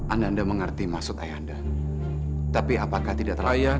anda anda mengerti maksud ayah